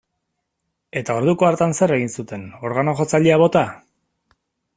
Eta orduko hartan zer egin zuten, organo-jotzailea bota?